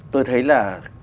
tôi thấy là